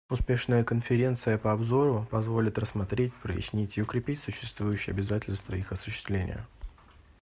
Успешная Конференция по обзору позволит рассмотреть, прояснить и укрепить существующие обязательства и их осуществление.